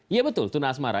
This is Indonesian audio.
iya betul tuna asmara